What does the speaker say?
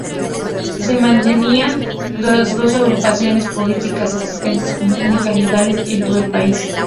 Se mantenían las dos agrupaciones políticas existentes como únicas legales en todo el país.